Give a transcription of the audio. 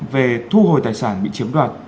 về thu hồi tài sản bị chiếm đoạt